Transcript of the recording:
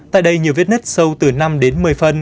tại đây nhiều vết nứt sâu từ năm đến một mươi phân